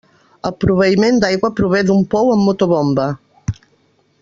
El proveïment d'aigua prové d'un pou amb motobomba.